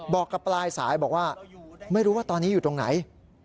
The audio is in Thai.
บอกกับปลายสายบอกว่าไม่รู้ว่าตอนนี้อยู่ตรงไหน